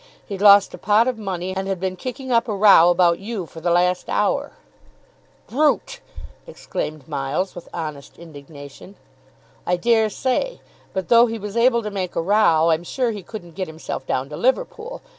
He'd lost a pot of money, and had been kicking up a row about you for the last hour." "Brute!" exclaimed Miles, with honest indignation. "I dare say. But though he was able to make a row, I'm sure he couldn't get himself down to Liverpool.